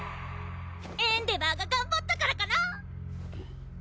エンデヴァーが頑張ったからかな！